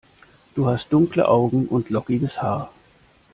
Du hast dunkle Augen und lockiges Haar.